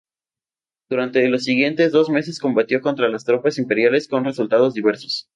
Durante los siguientes dos meses combatió contra las tropas imperiales con resultados diversos.